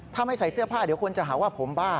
ถ้าไม่ใส่เสื้อผ้าเดี๋ยวคนจะหาว่าผมบ้า